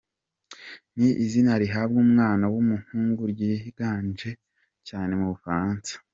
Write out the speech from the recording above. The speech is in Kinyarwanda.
Ni izina rihabwa umwana w’umuhungu ryiganje cyane mu Bufaransa.